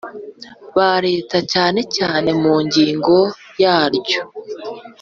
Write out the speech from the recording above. Ba leta cyane cyane mu ngingo yaryo